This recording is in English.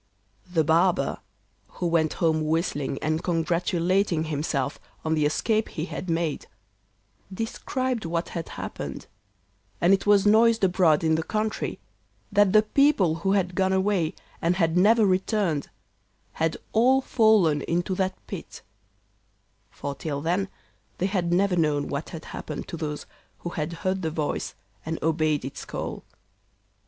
The barber, who went home whistling and congratulating himself on the escape he had made, described what had happened, and it was noised abroad in the country that the people who had gone away, and had never returned, had all fallen into that pit; for till then they had never known what had happened to those who had heard the voice and obeyed its call.